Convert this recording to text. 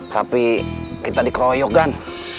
tapi kita dikeroyok gan